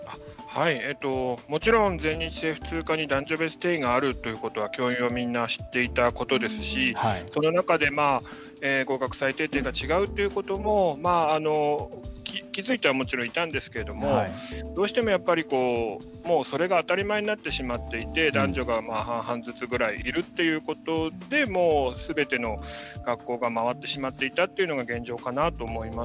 もちろん、全日制普通科に男女別定員があるというのは教員もみんな知っていたことですしその中で、合格最低点が違うということも気付いてはもちろん、いたんですけどどうしても、もうそれが当たり前になってしまっていて男女が半々ずつぐらいいるということですべての学校が回ってしまっていたというのが現状かなと思います。